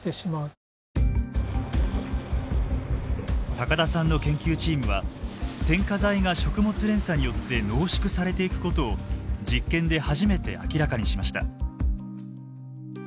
高田さんの研究チームは添加剤が食物連鎖によって濃縮されていくことを実験で初めて明らかにしました。